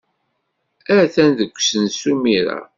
Atan deg usensu imir-a.